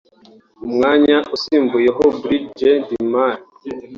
umwanya asimbuyeho Brig Gen Demali